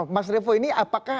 mas revo ini apakah